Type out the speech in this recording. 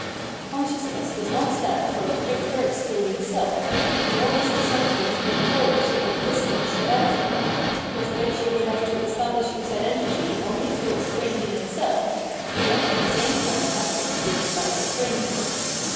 Con sciousness does not stand for a particular excluding self, nor does the substance mean for it an existence shut out from it, with which it would have to estabhsh its identity only through estranging itself, and yet at the same time have to produce that estrangement.